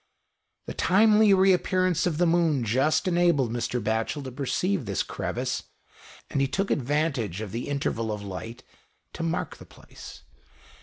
The timely re appearance of the moon just enabled Mr. Batchel to perceive this crevice, and he took advantage of the interval of light to mark the place.